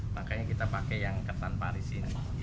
makanya kita pakai yang ketan paris